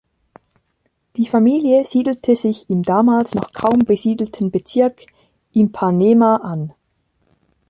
Die Familie siedelte sich im damals noch kaum besiedelten Bezirk Ipanema an.